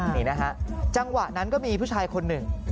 นี่นะฮะจังหวะนั้นก็มีผู้ชายคนหนึ่ง